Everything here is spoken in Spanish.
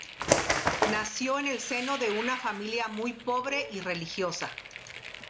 Nació en el seno de una familia muy pobre y religiosa.